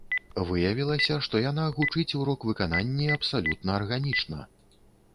Выявілася, што яна гучыць у рок-выкананні абсалютна арганічна.